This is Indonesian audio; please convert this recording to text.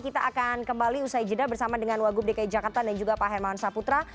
kita akan kembali usai jeda bersama dengan wagub dki jakarta dan juga pak hermawan saputra